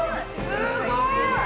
すごい！